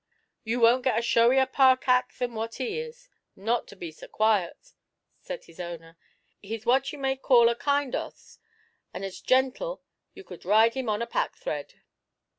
'You won't get a showier Park 'ack than what he is, not to be so quiet,' said his owner. 'He's what you may call a kind 'oss, and as gentle you could ride him on a packthread.'